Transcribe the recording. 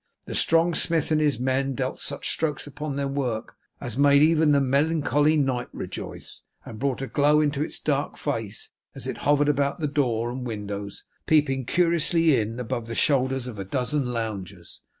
The strong smith and his men dealt such strokes upon their work, as made even the melancholy night rejoice, and brought a glow into its dark face as it hovered about the door and windows, peeping curiously in above the shoulders of a dozen loungers.